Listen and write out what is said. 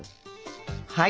はい。